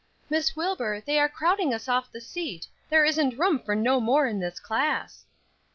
"Miss Wilbur, they are crowding us off the seat; there isn't room for no more in this class."